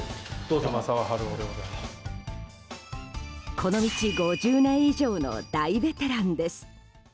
この道５０年以上の大ベテランです。